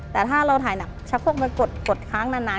แต่ถ้าเราถ่ายหนักชักโคกมันกดค้างนาน